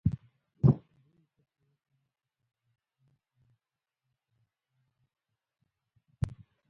دوی هڅه وکړه چې په افغانستان کې نفوذ ته پراختیا ورکړي.